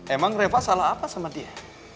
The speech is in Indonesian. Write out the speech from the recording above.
emang reva salah apa sama dia